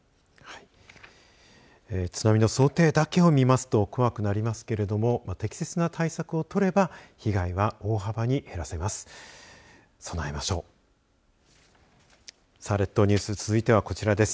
津波の想定だけを見ますと怖くなりますけれども適切な対策をとれば被害は大幅に減らせます。